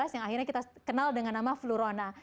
yang akhirnya kita kenal dengan nama flurona